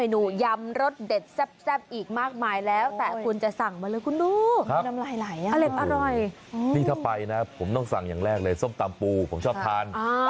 นี่ส้มตำ